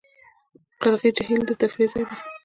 د قرغې جهیل د تفریح ځای دی